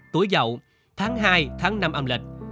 tuổi giàu tháng hai tháng năm âm lịch